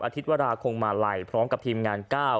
อาทิตย์เวลาคงมาไหลพร้อมกับทีมงาน๙